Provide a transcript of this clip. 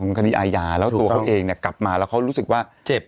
คดีอาญาแล้วตัวเขาเองเนี่ยกลับมาแล้วเขารู้สึกว่าเจ็บ